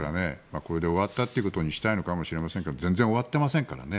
これで終わったということにしたいのかもしれませんが全然終わってませんからね。